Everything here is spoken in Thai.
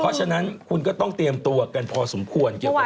เพราะฉะนั้นคุณก็ต้องเตรียมตัวกันพอสมควรเกี่ยวกับ